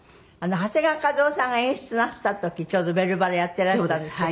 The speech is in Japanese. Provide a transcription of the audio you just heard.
長谷川一夫さんが演出なすった時ちょうど『ベルばら』やってらしたんですって？